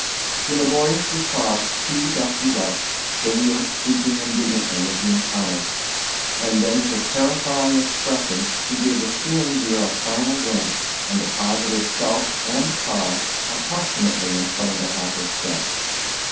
He laboriously crossed two dust ruts, the wheels squeaking indignantly at the encounter, and then with a terrifying expression he gave the steering gear a final wrench and deposited self and car approximately in front of the Happer steps.